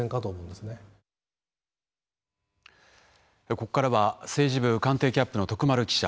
ここからは政治部・官邸キャップの徳丸記者